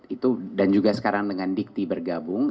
itu dan juga sekarang dengan dikti bergabung